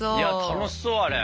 いや楽しそうあれ。